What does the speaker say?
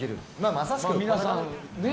まさしく皆さんね。